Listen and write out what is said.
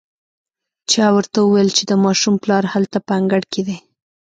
چا ورته وويل چې د ماشوم پلار هلته په انګړ کې دی.